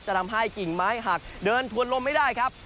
ทำให้กิ่งไม้หักเดินถวนลมไม่ได้ครับ